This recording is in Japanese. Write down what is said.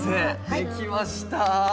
できました。